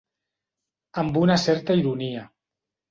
Amb una certa ironia.